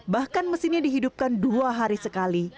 bahkan mesinnya dihidupkan dua hari sekali